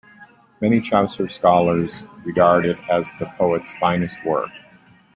Many Chaucer scholars regard it as the poet's finest work.